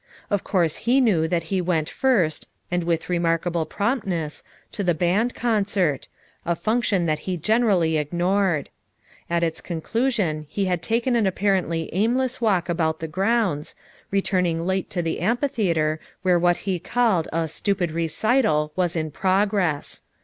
Of course he knew that he went "first, and with remarkable promptness, to the band concert; a function that he generally ig nored. At its conclusion he had taken an ap parently aimless walk about the grounds, re turning late to the amphitheater where what he called a "stupid recital" was in progress.